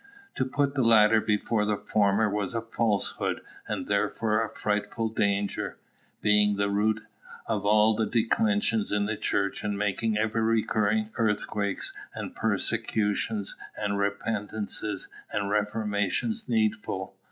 To put the latter before the former was a falsehood, and therefore a frightful danger, being at the root of all declensions in the Church, and making ever recurring earthquakes and persecutions and repentances and reformations needful.